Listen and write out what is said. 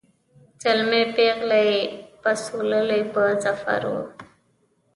زلمی پېغله یې پسوللي په ظفر وه